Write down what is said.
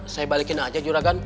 saya balikin aja juragan